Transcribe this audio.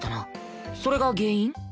それが原因？